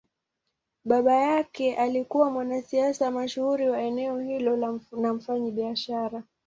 Baba yake alikuwa mwanasiasa mashuhuri wa eneo hilo na mfanyabiashara.